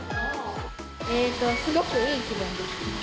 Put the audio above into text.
すごくいい気分です。